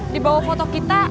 di bawah foto kita